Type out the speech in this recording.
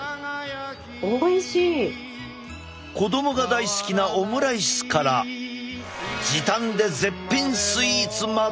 子供が大好きなオムライスから時短で絶品スイーツまで！